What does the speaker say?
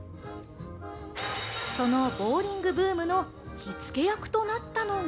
そのボウリングブームの火付け役となったのが。